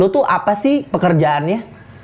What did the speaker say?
lo tuh apa sih pekerjaannya